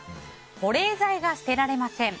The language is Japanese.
保冷剤が捨てられません。